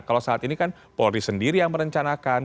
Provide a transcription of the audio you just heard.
kalau saat ini kan polri sendiri yang merencanakan